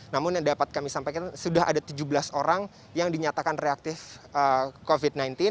namun yang dapat kami sampaikan sudah ada tujuh belas orang yang dinyatakan reaktif covid sembilan belas